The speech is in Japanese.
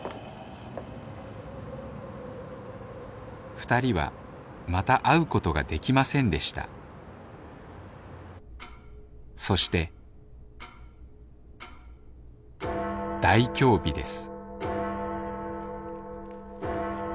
２人はまた会うことができませんでしたそして大凶日です！